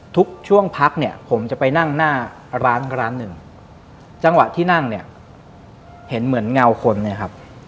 ทุกช่วงพักผมจะไปนั่งหน้าร้านกับร้านหนึ่งจังหวะที่นั่งเห็นเหมือนเงาคนนะครับ